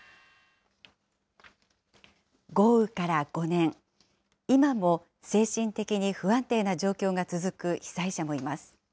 豪雨から５年、今も精神的に不安定な状況が続く被災者もいます。